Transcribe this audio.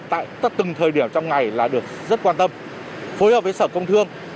tại từng thời điểm trong ngày là được rất quan tâm phối hợp với sở công thương